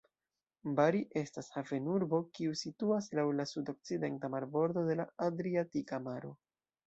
Bari estas havenurbo, kiu situas laŭ la sudokcidenta marbordo de la Adriatika Maro.